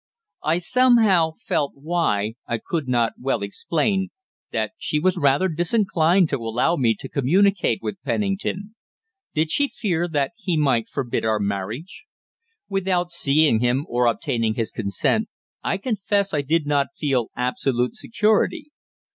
I somehow felt, why, I cannot well explain, that she was rather disinclined to allow me to communicate with Pennington. Did she fear that he might forbid our marriage? Without seeing him or obtaining his consent, I confess I did not feel absolute security.